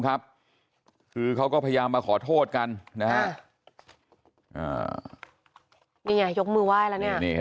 ครับคือเขาก็พยายามมาขอโทษกันนะนี่ยกมือไหวแล้วเนี่ยนี่ก๊อฟ